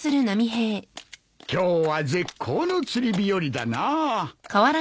今日は絶好の釣り日和だなあ。